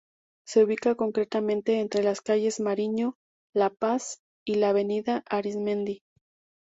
Se ubica concretamente entre las calles Mariño, La Paz y la Avenida Arismendi.